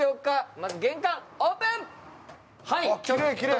まずは玄関、オープン！